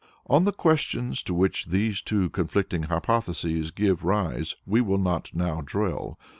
On the questions to which these two conflicting hypotheses give rise we will not now dwell.